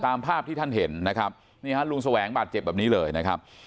ตามภาพที่ท่านเห็นนะครับนี่ฮะลุงแสวงบาดเจ็บแบบนี้เลยนะครับ